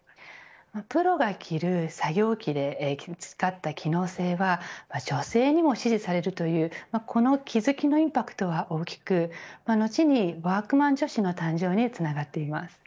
プロが着る作業着で培った機能性は女性にも支持されるというこの気付きのインパクトは大きく後にワークマン女子の誕生につながっています。